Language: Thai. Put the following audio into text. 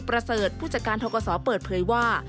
ประเสริฐผู้จัดการทกศเปิดเผยว่า